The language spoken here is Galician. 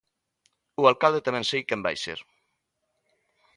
O alcalde tamén sei quen vai ser.